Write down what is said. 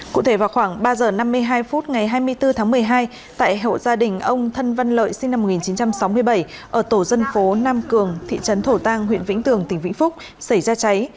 cụ thể vào khoảng ba giờ năm mươi hai phút ngày hai mươi bốn tháng một mươi hai tại hậu gia đình ông thân văn lợi sinh năm một nghìn chín trăm sáu mươi bảy ở tổ dân phố nam cường thị trấn thổ tàng huyện vĩnh tường tỉnh vĩnh phúc xảy ra cháy